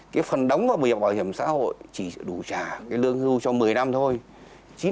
cái phần đóng vào quỹ bảo hiểm xã hội chỉ đủ trả lương hưu cho một mươi năm thôi